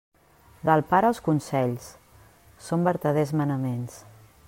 Del pare els consells, són vertaders manaments.